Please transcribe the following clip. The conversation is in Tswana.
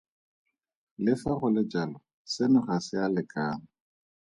Le fa go le jalo, seno ga se a lekana.